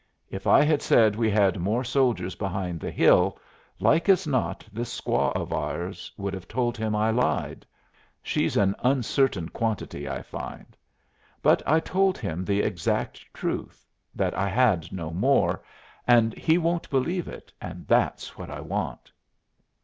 If I had said we had more soldiers behind the hill, like as not this squaw of ours would have told him I lied; she's an uncertain quantity, I find. But I told him the exact truth that I had no more and he won't believe it, and that's what I want."